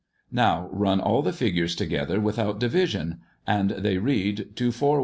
Now run all the figures together without division, and they read 24121857.